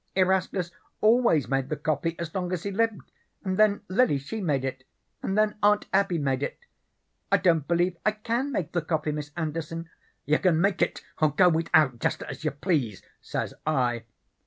'Erastus always made the coffee as long as he lived, and then Lily she made it, and then Aunt Abby made it. I don't believe I CAN make the coffee, Miss Anderson.' "'You can make it or go without, jest as you please,' says I.